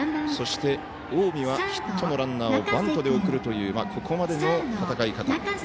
そして近江はヒットのランナーをバントで送るというここまでの戦い方。